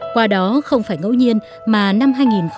qua đó không phải ngẫu nhiên mà năm hai nghìn một mươi tám